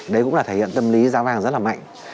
đấy cũng là thể hiện tâm lý giá vàng rất là mạnh